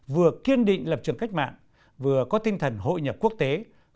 vừa kiên định lập trường cách mạng vừa có tinh thần hội nhập quốc tế